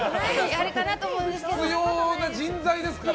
必要な人材ですから。